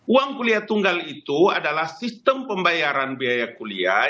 uang kuliah tunggal itu adalah sistem pembayaran biaya kuliah